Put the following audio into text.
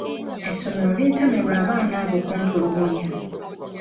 Essomero lintamye lwa baana abo kuntulugunya.